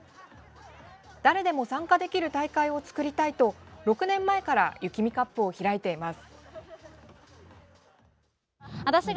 誰でも参加できる大会を作りたいと、６年前からＹＵＫＩＭＩＣＵＰを開いています。